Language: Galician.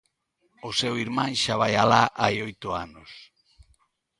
O seu irmán xa vai alá hai oito anos.